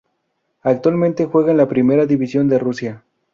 Actualmente juega en la Primera División de Rusia.